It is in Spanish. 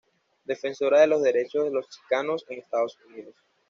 Defensora de los derechos de los chicanos en Estados Unidos.